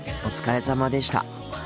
お疲れさまでした。